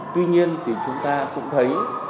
tuy nhiên thì chúng ta cũng thấy